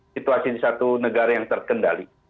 situasi di satu negara yang terkendali